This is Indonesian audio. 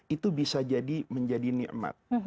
itu bisa jadi menjadi nikmat